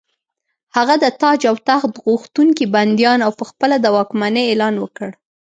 هغه د تاج او تخت غوښتونکي بندیان او په خپله د واکمنۍ اعلان وکړ.